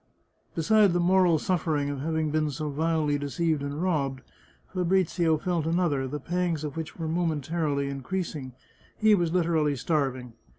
Besides the moral suffering of having been so vilely deceived and robbed, Fabrizio felt another, the pangs of which were momentarily increasing — he was literally starv ing.